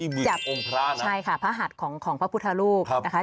ที่มือโอมพระนะใช่ค่ะพระหัสของพระพุทธลูกนะคะ